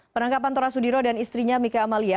penangkapan tora sudiro dan istrinya mika amalia